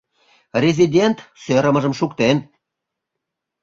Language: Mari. Резидент сӧрымыжым шуктен.